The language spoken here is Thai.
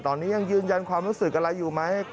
ตอนนี้ยังยืนยันความรู้สึกอะไรอยู่ไหม